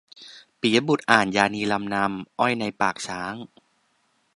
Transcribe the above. ปิยบุตรอ่านยานีลำนำ "อ้อยในปากช้าง"